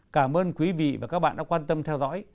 cảm ơn quý vị và các bạn đã quan tâm theo dõi